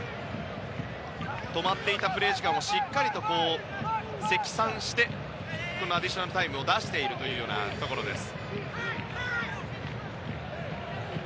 止まっていたプレー時間をしっかりと積算してアディショナルタイムを出しています。